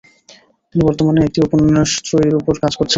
তিনি বর্তমানে একটি উপন্যাস ত্রয়ীর উপর কাজ করছেন।